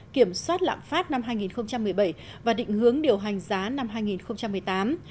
kiểm soát lạm phát năm hai nghìn một mươi bảy và định hướng điều hành giá năm hai nghìn một mươi tám